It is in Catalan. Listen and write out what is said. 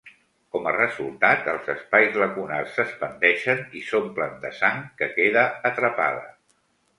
Com a resultat, els espais lacunars s’expandeixen i s’omplen de sang, que queda atrapada.